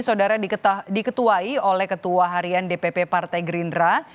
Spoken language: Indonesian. saudara diketuai oleh ketua harian dpp partai gerindra